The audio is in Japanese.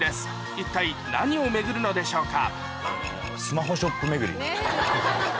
一体何を巡るのでしょうか？